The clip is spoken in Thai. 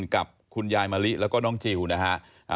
กับคุณยายมะลิแล้วก็น้องจิลนะฮะ